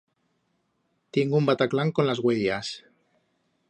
Tiengo un bataclán con las uellas.